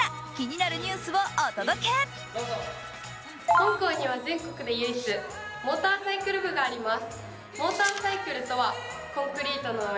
本校には全国で唯一モーターサイクル部があります。